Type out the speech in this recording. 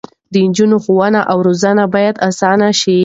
د نجونو ښوونه او روزنه باید اسانه شي.